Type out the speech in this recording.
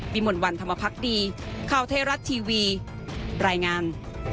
วิมวลวันธรรมพักดีข่าวเทราะทีวีรายงาน